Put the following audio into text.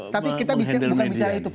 tapi kita bukan bicara itu